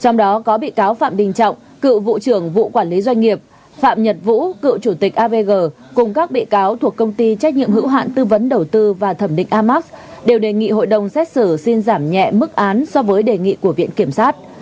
trong đó có bị cáo phạm đình trọng cựu vụ trưởng vụ quản lý doanh nghiệp phạm nhật vũ cựu chủ tịch avg cùng các bị cáo thuộc công ty trách nhiệm hữu hạn tư vấn đầu tư và thẩm định amac đều đề nghị hội đồng xét xử xin giảm nhẹ mức án so với đề nghị của viện kiểm sát